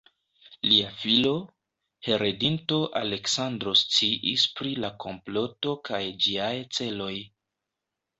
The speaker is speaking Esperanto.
Lia filo, heredinto Aleksandro sciis pri la komploto kaj ĝiaj celoj.